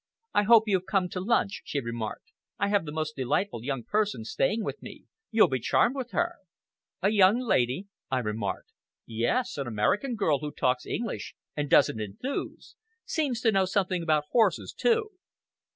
"I hope you've come to lunch," she remarked; "I have the most delightful young person staying with me. You'll be charmed with her." "A young lady?" I remarked. "Yes! An American girl who talks English and doesn't enthuse. Seems to know something about horses too!"